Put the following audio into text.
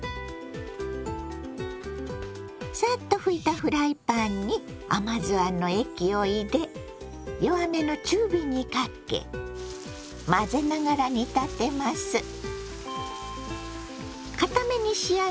サッと拭いたフライパンに甘酢あんの液を入れ弱めの中火にかけ混ぜながら煮立てます。